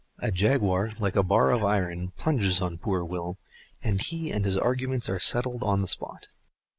A jaguar like a bar of iron plunges on poor Will, and he and his arguments are settled on the spot.